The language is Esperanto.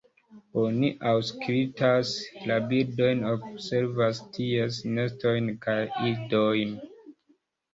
Oni aŭskultas la birdojn, observas ties nestojn kaj idojn.